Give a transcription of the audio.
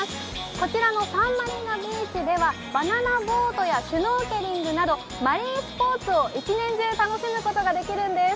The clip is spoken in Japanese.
こちらのサンマリーナビーチではバナナボートやシュノーケリングなどマリンスポーツを１年中楽しむことができるんです。